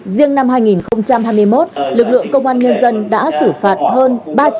riêng năm hai nghìn hai mươi một lực lượng công an nhân dân đã xử phạt hơn ba hai trăm bốn mươi bốn